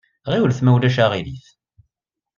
Ɣiwlet ma ulac aɣilif!